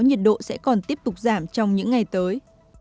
nhiệt độ sẽ còn tiếp tục giảm trong những ngày tới